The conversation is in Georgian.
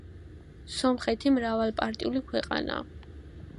სომხეთი მრავალპარტიული ქვეყანაა.